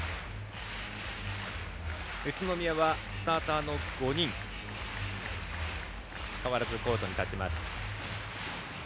宇都宮はスターターの５人かわらずコートに立ちます。